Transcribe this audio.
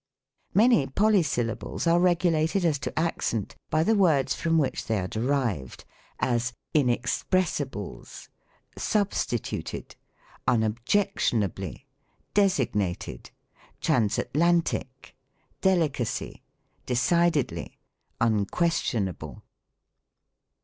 Many polysyllables are regulated as to accent by the words from which they are derived : as, " Inex pressibles, Substituted, Unobjectionably, Designated, Transatlantic, Delicacy, Decidedly, Unquestionable."